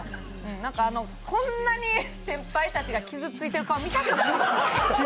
こんなに先輩たちが傷ついてる顔、見たくない。